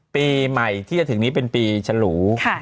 ปีใหม่ที่จะถึงนี้เป็นปีฉลู